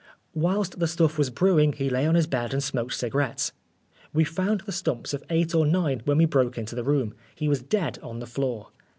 Whilst the stuff was brewing he lay on his bed and smoked cigarettes. We found the stumps of eight or nine when we broke into the room. He was dead, on the floor.